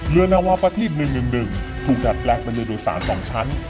เรือนวาประทีป๑๑๑ถูกดัดแปลงเป็นเรือโดยสาร๒ชั้น